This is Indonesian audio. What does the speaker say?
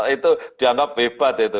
itu dianggap hebat itu